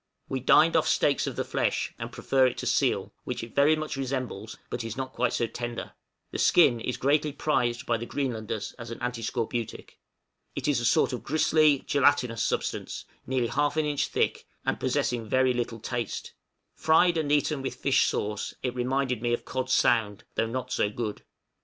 We dined off steaks of the flesh, and prefer it to seal, which it very much resembles, but it is not quite so tender; the skin is greatly prized by the Greenlanders as an antiscorbutic; it is a sort of gristly gelatinous substance, nearly half an inch thick, and possessing very little taste; fried and eaten with fish sauce, it reminded me of cod sound, though not so good.